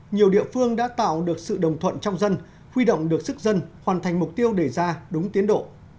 nhiều địa phương đã tạo được sự đồng thuận trong dân huy động được sức dân hoàn thành mục tiêu đề ra đúng tiến độ